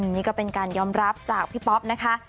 นี่ก็เป็นการยอมรับจากพี่ป๊อปนะคะ